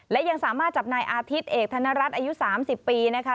และยังสามารถจับนายอาทิตย์เอกธนรัฐอายุ๓๐ปีนะคะ